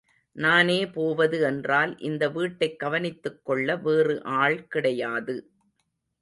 நானே போவது என்றால் இந்த வீட்டைக் கவனித்துக்கொள்ள வேறு ஆள் கிடையாது.